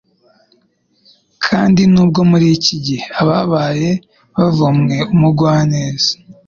Kandi nubwo muriki gihe abababaye bavumwe umugwaneza